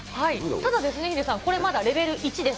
ただですね、ヒデさん、これ、まだレベル１です。